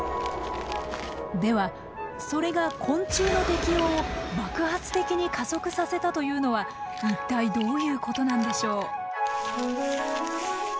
ではそれが昆虫の適応を爆発的に加速させたというのは一体どういうことなんでしょう？